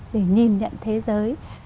để nhìn nhận thế giới